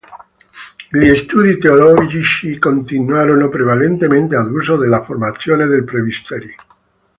Gli studi teologici continuarono prevalentemente ad uso della formazione dei presbiteri.